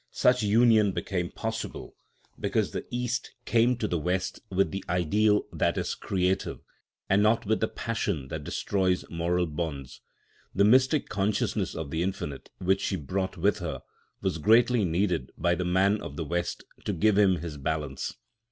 Such union became possible, because the East came to the West with the ideal that is creative, and not with the passion that destroys moral bonds. The mystic consciousness of the Infinite, which she brought with her, was greatly needed by the man of the West to give him his balance.